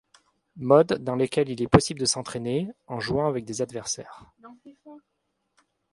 Mode dans lequel il est possible de s'entraîner, en jouant avec des adversaires.